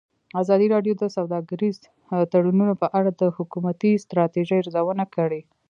ازادي راډیو د سوداګریز تړونونه په اړه د حکومتي ستراتیژۍ ارزونه کړې.